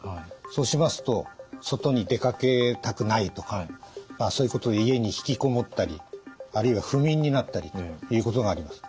そうしますと外に出かけたくないとかそういうことで家に引きこもったりあるいは不眠になったりということがあります。